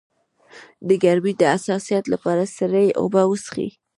د ګرمۍ د حساسیت لپاره سړې اوبه وڅښئ